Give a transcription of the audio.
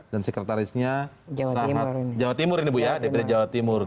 dan sekretarisnya jawa timur ini bu ya dari jawa timur